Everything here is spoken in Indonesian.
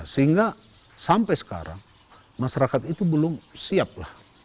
sehingga sampai sekarang masyarakat itu belum siap lah